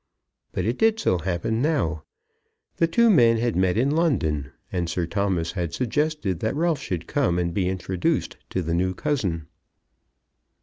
But it did so happen now. The two men had met in London, and Sir Thomas had suggested that Ralph should come and be introduced to the new cousin.